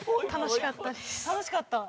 楽しかった？